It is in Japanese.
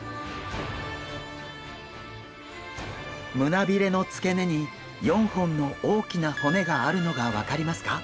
胸びれの付け根に４本の大きな骨があるのが分かりますか？